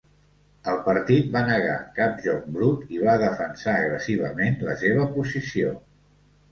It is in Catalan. El partit va negar cap joc brut i va defensar agressivament la seva posició.